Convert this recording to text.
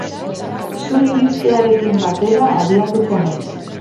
Zu iristearekin batera abiatuko naiz.